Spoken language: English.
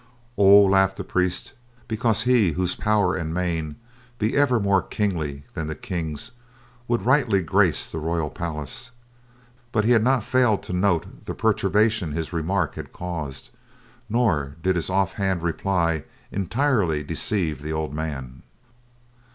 "Oh," laughed the priest, "because he whose power and mien be even more kingly than the King's would rightly grace the royal palace," but he had not failed to note the perturbation his remark had caused, nor did his off hand reply entirely deceive the old man.